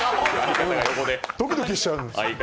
ドキドキしちゃうんです。